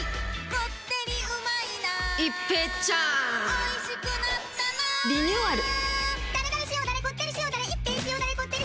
おいしくなったなリニューアル。